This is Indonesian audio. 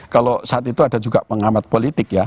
kalau saat itu ada juga pengamat politik ya